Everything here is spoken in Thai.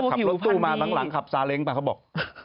ขับรถตู้มาหลังขับซาเล้งไปเขาบอก